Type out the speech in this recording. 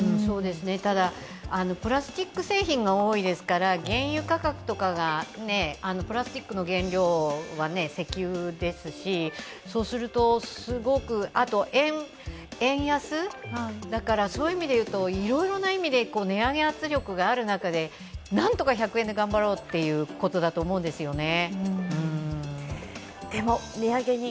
ただ、プラスチック製品が多いですから原油価格とかが、プラスチックの原料は石油ですし、あと円安、そういう意味で言うといろいろな意味で値上げ圧力がある中でなんとか１００円で頑張ろうということだと思うんですよね。